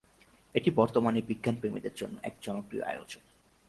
এটি বর্তমানে বিজ্ঞান প্রেমীদের জন্য এক জনপ্রিয় আয়োজন।